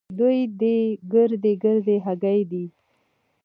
دوې دې ګردۍ ګردۍ هګۍ دي.